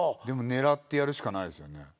でも狙ってやるしかないですよね。